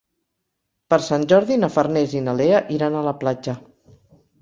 Per Sant Jordi na Farners i na Lea iran a la platja.